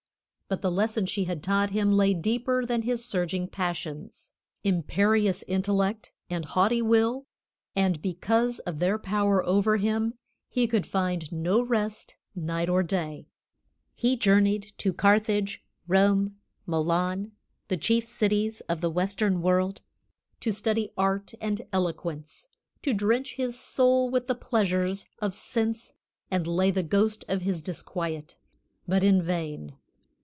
But the lesson she had taught him lay deeper than his surging passions, imperious intellect, and haughty will, and because of their power over him he could find no rest night or day. He journeyed to Carthage, Rome, Milan, the chief cities of the western world, to study art and eloquence, to drench his soul with the pleasures of sense and lay the ghost of his disquiet; but in vain.